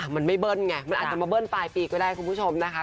มันไม่เบิ้ลไงมันอาจจะมาเบิ้ลปลายปีก็ได้คุณผู้ชมนะคะ